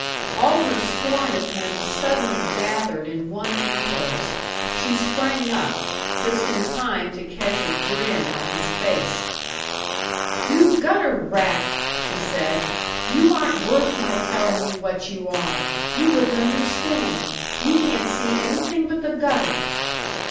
All her scorn of him suddenly gathered in one impulse. She sprang up just in time to catch a grin on his face. "You gutter rat!" she said. "You aren't worth my telling you what you are. You wouldn't understand. You can't see anything but the gutter."